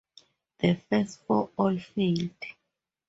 The first four all failed.